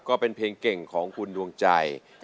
ก็เป็นเพลงเก่งของคุณดวงใจ